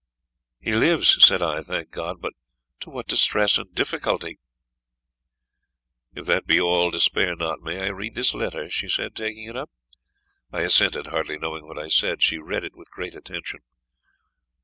"He lives," said I, "thank God! but to what distress and difficulty" "If that be all, despair not. May I read this letter?" she said, taking it up. I assented, hardly knowing what I said. She read it with great attention.